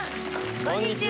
こんにちは！